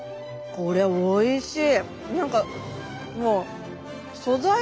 これおいしい。